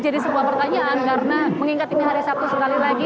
jadi sebuah pertanyaan karena mengingat ini hari sabtu sekali lagi